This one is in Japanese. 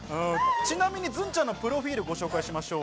ちなみにズンちゃんのプロフィールをご紹介しましょう。